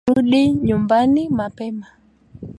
Rudi nyumbani mapema